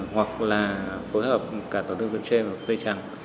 hoặc là phối hợp cả tổn thương sụn trêm và dây trăng